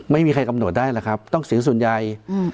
ไม่มีใครกำหนดได้นะครับต้องศึกสุดใหญ่